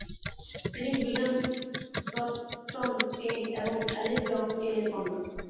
তিনি William Sproston Kane এবং Alice Brown কেইনের কন্যা।